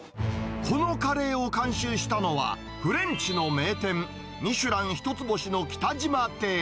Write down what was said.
このカレーを監修したのは、フレンチの名店、ミシュラン１つ星の北島亭。